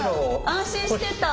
安心してた。